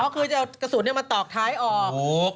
คือจะเอากระสุนมาตอกท้ายออก